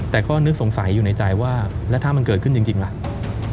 แต่ก็นึกสงสัยอยู่ในใจว่าแล้วถ้ามันเกิดขึ้นจริงล่ะ